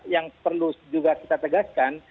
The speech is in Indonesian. yang perlu juga kita tegaskan